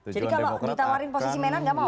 jadi kalau ditawarin posisi menhan tidak mau